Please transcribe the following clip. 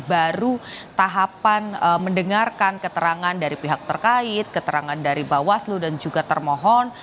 baru tahapan mendengarkan keterangan dari pihak terkait keterangan dari bawaslu dan juga termohon